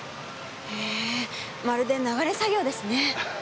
へぇーまるで流れ作業ですね。